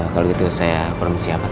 kalau gitu saya permisi ya pak